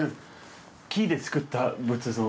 木で作った仏像。